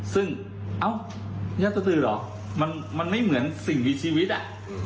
ซึ่งเอ้ายาสตือเหรอมันไม่เหมือนสิ่งมีชีวิตอ่ะ